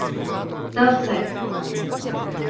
Dal sec.